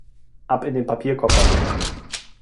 Ab in den Papierkorb damit!